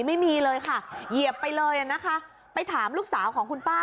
ไม่มีเลยค่ะเหยียบไปเลยอ่ะนะคะไปถามลูกสาวของคุณป้า